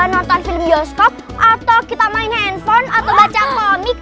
nonton film bioskop atau kita main handphone atau baca komik